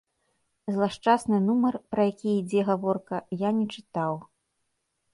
Злашчасны нумар, пра які ідзе гаворка, я не чытаў.